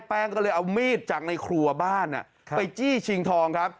แป้งก็เลยเอามีดจากในครัวบ้านไปจี้ชิงทองครับ